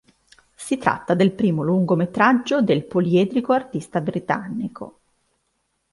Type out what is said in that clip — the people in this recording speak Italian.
Si tratta del primo lungometraggio del poliedrico artista britannico.